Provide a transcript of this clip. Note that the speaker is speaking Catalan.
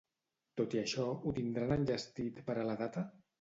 Tot i això, ho tindran enllestit per a la data?